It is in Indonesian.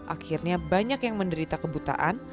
akhirnya banyak yang menderita kebutaan